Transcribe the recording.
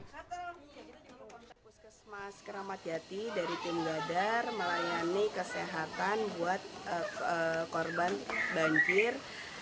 kita puskesmas keramat jati dari tim gadar melayani kesehatan buat korban banjir